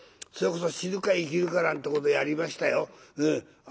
それこそ死ぬか生きるかなんてことやりましたよ。